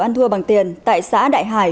ăn thua bằng tiền tại xã đại hải